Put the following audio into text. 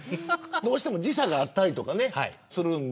どうしても時差があったりとかするんで。